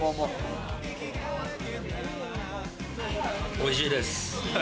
おいしいです。